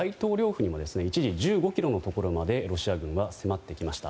府には一時、１５ｋｍのところまでロシア軍は迫ってきました。